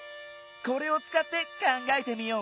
これをつかってかんがえてみよう。